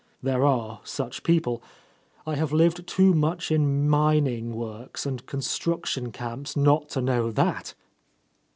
There are such people. I have lived too much in min ing works and construction camps not to know that."